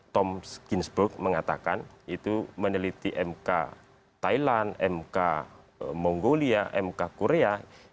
tom ginzburg mengatakan itu meneliti mk thailand mk mongolia mk korea